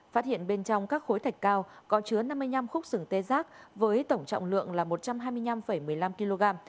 phát hiện bên trong các khối thạch cao có chứa năm mươi năm khúc sừng tê giác với tổng trọng lượng là một trăm hai mươi năm một mươi năm kg